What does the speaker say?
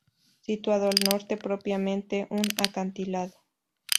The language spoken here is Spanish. Situado al norte, propiamente un acantilado.